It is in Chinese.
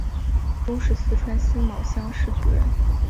中式四川辛卯乡试举人。